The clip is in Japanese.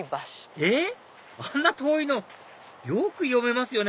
えっ⁉あんな遠いのよく読めますよね